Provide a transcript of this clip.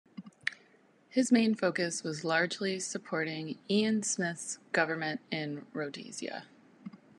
His main focus was largely supporting Ian Smith's government in Rhodesia.